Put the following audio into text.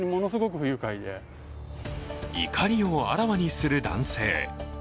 怒りをあらわにする男性。